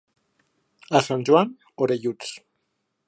A Sant Joan, orelluts.